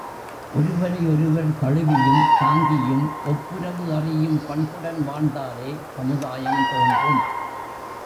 ஒருவரை ஒருவர் தழுவியும் தாங்கியும் ஒப்புரவு அறியும் பண்புடன் வாழ்ந்தாலே சமுதாயம் தோன்றும்.